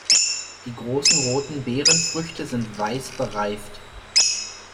Die großen roten Beerenfrüchte sind weiß bereift.